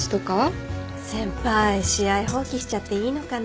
先輩試合放棄しちゃっていいのかな？